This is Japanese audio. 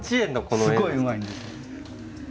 すごいうまいんです。